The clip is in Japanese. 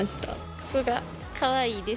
ここがかわいいです。